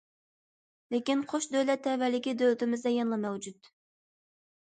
لېكىن،‹‹ قوش دۆلەت تەۋەلىكى›› دۆلىتىمىزدە يەنىلا مەۋجۇت.